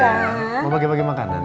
bapak bagi bagi makanan